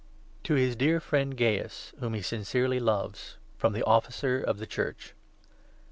FROM JOHN. III. To his dear friend Gaius, whom he sincerely loves, I FROM the Officer of the Church.